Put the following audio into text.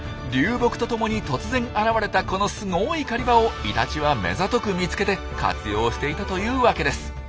流木とともに突然現れたこのすごい狩り場をイタチは目ざとく見つけて活用していたというワケです。